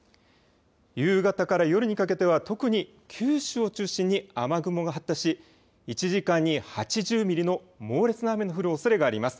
夕方から夜にかけては特に九州を中心に雨雲が発達し、１時間に８０ミリの猛烈な雨の降るおそれがあります。